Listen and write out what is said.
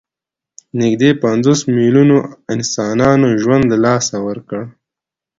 نږدې پنځوس میلیونو انسانانو ژوند له لاسه ورکړ.